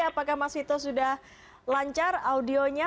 apakah mas vito sudah lancar audionya